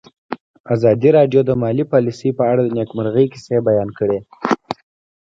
ازادي راډیو د مالي پالیسي په اړه د نېکمرغۍ کیسې بیان کړې.